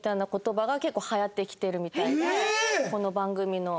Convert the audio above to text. この番組の。